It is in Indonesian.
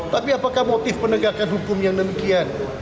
tapi apakah motif penegakan hukum yang demikian